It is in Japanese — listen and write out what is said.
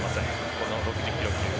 この６０ｋｇ級。